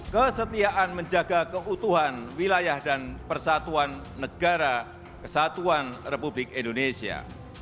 kesetiaan menjaga keutuhan wilayah dan persatuan negara kesatuan republik indonesia